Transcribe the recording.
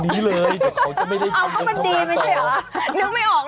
นึกไม่ออกแน่เลย